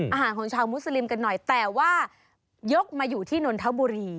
อาหารของชาวมุสลิมกันหน่อยแต่ว่ายกมาอยู่ที่นนทบุรี